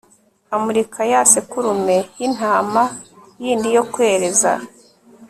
Amurika ya sekurume y intama yindi yo kwereza